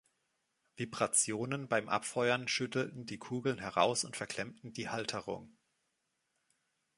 Vibrationen beim Abfeuern schüttelten die Kugeln heraus und verklemmten die Halterung.